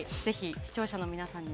視聴者の皆さんにも。